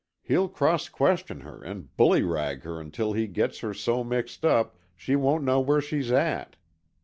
He'll cross question her and bullyrag her until he gets her so mixed up she won't know where she's at!"